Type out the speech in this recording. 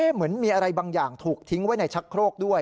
เหมือนมีอะไรบางอย่างถูกทิ้งไว้ในชักโครกด้วย